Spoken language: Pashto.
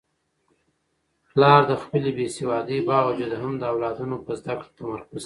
پلار د خپلې بې سوادۍ باوجود هم د اولادونو په زده کړو تمرکز کوي.